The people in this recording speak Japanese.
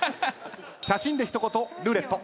写真で一言ルーレット。